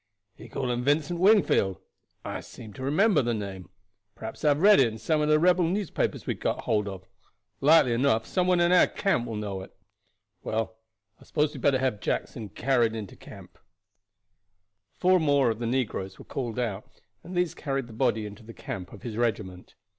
He called him Vincent Wingfield. I seem to remember the name; perhaps I have read it in some of the rebel newspapers we got hold of; likely enough some one will know it. Well, I suppose we had better have Jackson carried into camp." Four more of the negroes were called out, and these carried the body into the camp of his regiment.